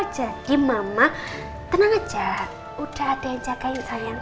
jadi mama tenang aja udah ada yang jagain sayang